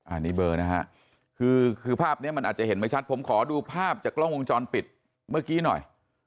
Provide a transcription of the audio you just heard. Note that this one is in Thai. อันนี้เบอร์นะฮะคือภาพนี้มันอาจจะเห็นไม่ชัดผมขอดูภาพจากกล้องวงจรปิดเมื่อกี้หน่อย